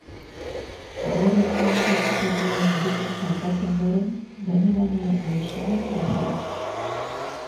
Bordeleko Unibertsitatean medikuntza ikasi ondoren, Donibane Lohizunen bizi da.